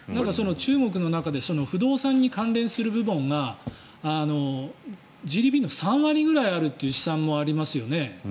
中国の中で不動産に関連する部門がＧＤＰの３割くらいあるという試算もありますよね。